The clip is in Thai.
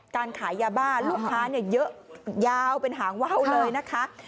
การขายยาบ้าลูกค้าเยอะยาวเป็นหางว่าวเลยนะคะ